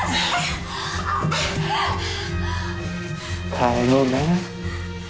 帰ろうね。